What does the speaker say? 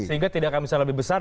sehingga tidak akan bisa lebih besar